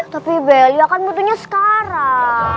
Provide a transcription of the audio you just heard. tapi beli akan butuhnya sekarang